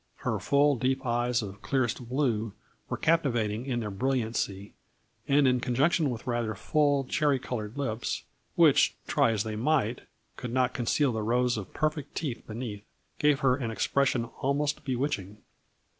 Her full deep eyes of clearest blue were captivating in their brilliancy, and, in conjunction with rather full, cherry colored lips, which, try as they might, could not conceal the rows of perfect teeth be neath, gave her an expression almost bewitching.